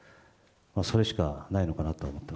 それしかないのかなとは思って